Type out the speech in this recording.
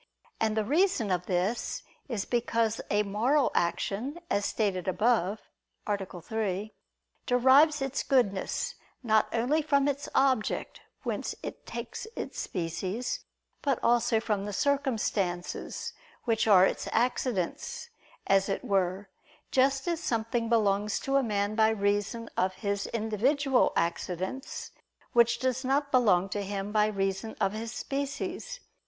And the reason of this is because a moral action, as stated above (A. 3), derives its goodness not only from its object, whence it takes its species; but also from the circumstances, which are its accidents, as it were; just as something belongs to a man by reason of his individual accidents, which does not belong to him by reason of his species.